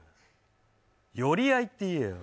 寄り合いって言えよ。